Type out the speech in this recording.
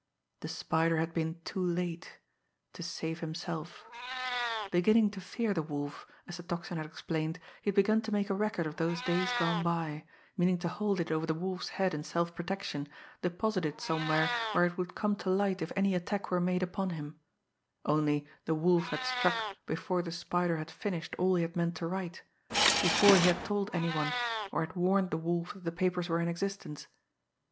The Spider had been too late to save himself. Beginning to fear the Wolf, as the Tocsin had explained, he had begun to make a record of those days gone by, meaning to hold it over the Wolf's head in self protection, deposit it somewhere where it would come to light if any attack were made upon him only the Wolf had struck before the Spider had finished all he had meant to write, before he had told any one or had warned the Wolf that the papers were in existence.